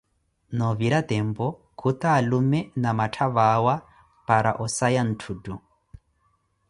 Novira tempu, khuta alume namatthavi awa para osaya ntthuttu.